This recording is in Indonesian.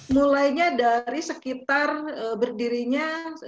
mulainya dari sekitar berdirinya